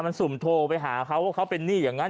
มันสุ่มโทรไปหาเขาว่าเขาเป็นหนี้อย่างนั้น